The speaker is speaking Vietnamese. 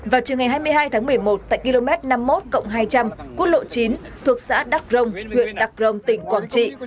vào chiều ngày hai mươi hai tháng một mươi một tại km năm mươi một hai trăm linh quốc lộ chín thuộc xã đắc rông huyện đắc rông tỉnh quảng trị